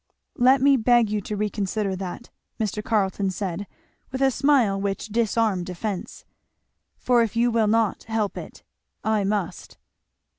"Let me beg you to reconsider that," Mr. Carleton said with a smile which disarmed offence, "for if you will not help it, I must."